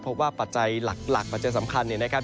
พบว่าปัจจัยหลักปัจจัยสำคัญนะครับ